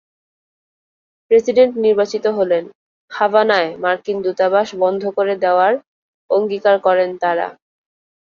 President নির্বাচিত হলে হাভানায় মার্কিন দূতাবাস বন্ধ করে দেওয়ার অঙ্গীকার করেন তাঁরা।